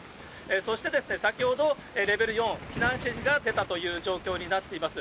そして先ほどレベル４、避難指示が出たという状況になっています。